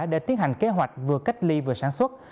để tiến hành kế hoạch vừa cách ly vừa sản xuất